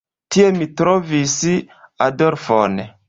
Tie mi trovis Adolfon.